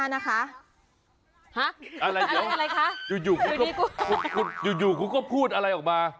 อะไรค่ะอยู่กูก็พูดอะไรออกมา